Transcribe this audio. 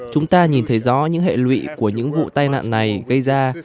chúng ta nhìn thấy rõ những hệ lụy của những vụ tai nạn này gây ra